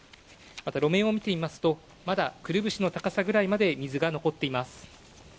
また路面を見てみますと、まだくるぶしの高さぐらいまで水が残っています。